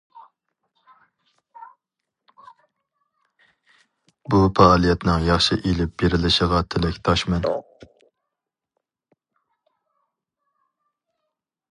بۇ پائالىيەتنىڭ ياخشى ئېلىپ بېرىلىشىغا تىلەكداشمەن.